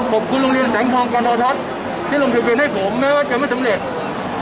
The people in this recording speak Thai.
ขอบคุณโรงเรียนแสงทองกันโทรทัศน์ที่ลงทะเบียนให้ผมแม้ว่าจะไม่สำเร็จ